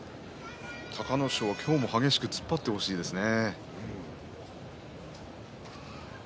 隆の勝は今日も激しく突っ張ってほしいですね。